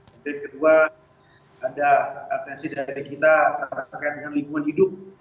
jadi kedua ada atensi dari kita terkait dengan lingkungan hidup